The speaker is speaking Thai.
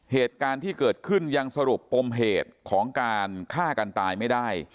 เหตุการณ์ที่เกิดขึ้นยังสรุปปมเหตุของการฆ่ากันตายไม่ได้